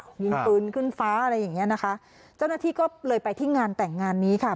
ยิงปืนขึ้นฟ้าอะไรอย่างเงี้ยนะคะเจ้าหน้าที่ก็เลยไปที่งานแต่งงานนี้ค่ะ